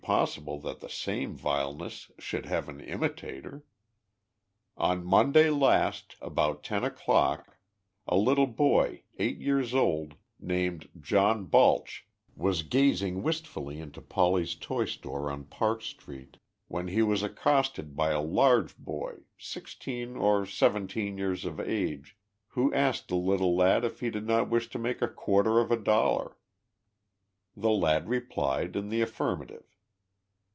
possible that the same vile ness should have an imitator. On Monday last, about 10 o'clock, a little boj r , eight years old, named John Balch, was gazing wistfully into Tolley's toy store on Park street, when he was accosted by a large boy, 10 or 17 years of age, who asked the little lad if he did not wish to make a quarter of a dollar. The lad replied in the affirmative.